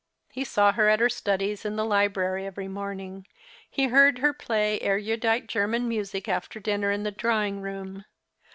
He saw her at her studies in the library every morning ; he heard her play erudite German music after dinner in the drawing room.